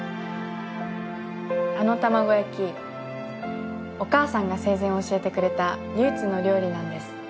あの卵焼きお母さんが生前教えてくれた唯一の料理なんです。